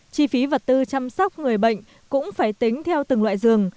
chi phí vật tư chăm sóc người bệnh cũng phải tính theo từng loại giường